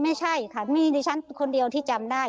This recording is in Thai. ไม่ใช่ค่ะมีดิฉันคนเดียวที่จำได้